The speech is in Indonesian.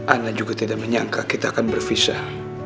anda juga tidak menyangka kita akan berpisah